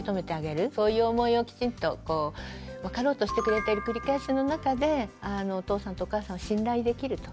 そういう思いをきちんと分かろうとしてくれてる繰り返しの中でお父さんとお母さんを信頼できると。